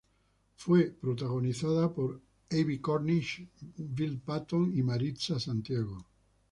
Fue protagonizada por Abbie Cornish, Will Patton y Maritza Santiago.